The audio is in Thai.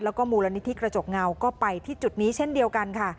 แล้วก็มูลนิธิกระจกเงาก็ไปที่จุดนี้เช่นเดียวกันค่ะ